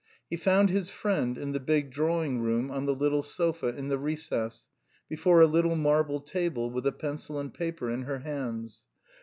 He found his friend in the big drawing room on the little sofa in the recess, before a little marble table with a pencil and paper in her hands.